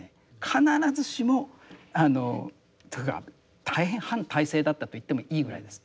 必ずしもあのというか大変反体制だったと言ってもいいぐらいです。